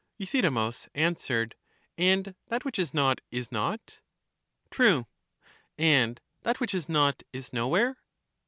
Euthydemus answered: And that which is not is not. True. And that which is not is nowhere?